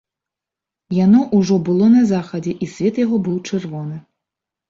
Яно ўжо было на захадзе, і свет яго быў чырвоны.